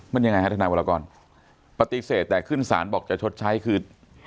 มันยังไงฮะทนายวรกรปฏิเสธแต่ขึ้นศาลบอกจะชดใช้คือ